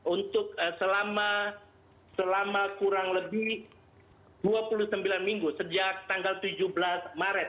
untuk selama kurang lebih dua puluh sembilan minggu sejak tanggal tujuh belas maret